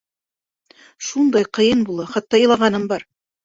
Шундай ҡыйын була, хатта илағаным бар.